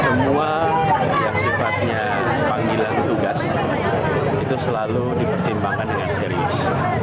semua yang sifatnya panggilan tugas itu selalu dipertimbangkan dengan serius